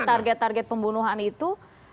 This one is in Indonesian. target target pembunuhan itu